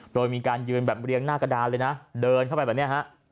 โดยมีการยืนแบบเรียงหน้ากระดานเลยนะเดินเข้าไปแบบนี้ฮะ